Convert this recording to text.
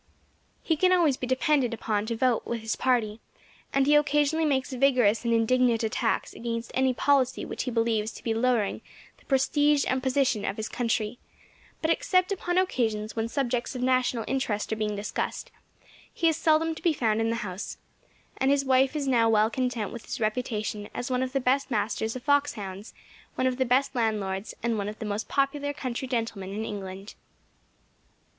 He can always be depended upon to vote with his party, and he occasionally makes vigorous and indignant attacks against any policy which he believes to be lowering the prestige and position of his country; but, except upon occasions when subjects of national interest are being discussed, he is seldom to be found in the house, and his wife is now well content with his reputation as one of the best masters of fox hounds, one of the best landlords, and one of the most popular country gentlemen in England.